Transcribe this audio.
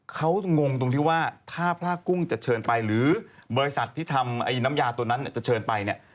เขางงตรงที่ว่าถ้าพระกุ้งจะเชิญไปหรือบริษัทที่ทำน้ำยาตัวนั้นจะเชิญไปเนี่ย